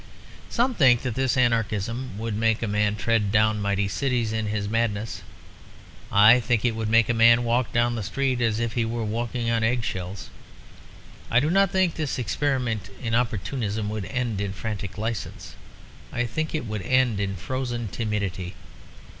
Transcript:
Some think that this anarchism would make a man tread down mighty cities in his madness. I think it would make a man walk down the street as if he were walking on egg shells. I do not think this experiment in opportunism would end in frantic license; I think it would end in frozen timidity.